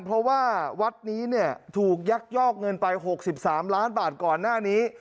เพราะว่าวัดนี้เนี่ยถูกยักยอกเงินไป๖๓ล้านบาทก่อนหน้านี้